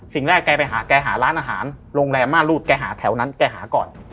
สิ่งแรกแกไปหาแกหาร้านอาหารโรงแรมม่ารูดแกหาแถวนั้นแกหาก่อน